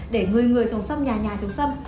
để người người trồng sâm nhà nhà trồng sâm